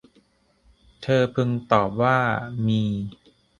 เธอพึงตอบว่า มี